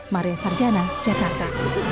maria sarjana jakarta